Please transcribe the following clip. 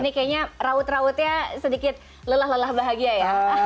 ini kayaknya raut rautnya sedikit lelah lelah bahagia ya